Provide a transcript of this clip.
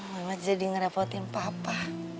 mama jadi ngerepotin papa